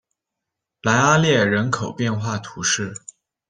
莱阿列人口变化图示